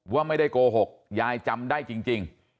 ว่าไม่ได้โกหกยายจำได้จริง